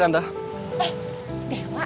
kayak gini bener